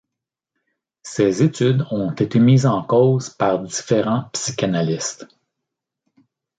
Ces études ont été mises en cause par différents psychanalystes.